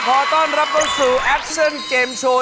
ขอต้อนรับเข้าสู่แอคชั่นเกมโชว์